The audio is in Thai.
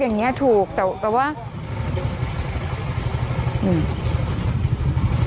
กรมป้องกันแล้วก็บรรเทาสาธารณภัยนะคะ